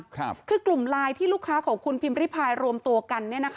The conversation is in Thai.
คือกลุ่มไลน์ที่ลูกค้าของคุณพิมพ์ริพายรวมตัวกัน